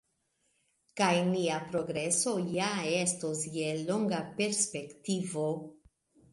Kaj nia progreso ja estos je longa perspektivo.